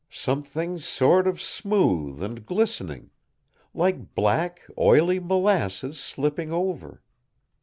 Something sort of smooth and glistening; like black, oily molasses slipping over.